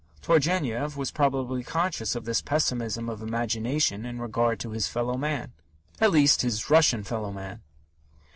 Turgenev was probably conscious of this pessimism of imagination in regard to his fellow man at least, his Russian fellow man.